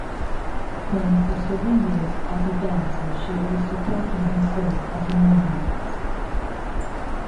Trained for seven years as a dancer, she was supporting herself as a model.